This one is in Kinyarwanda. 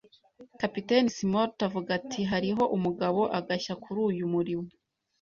Kapiteni Smollett avuga ati: “Hariho umugabo, agashya kuri uyu murimo.